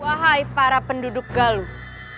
wahai para penduduk galuh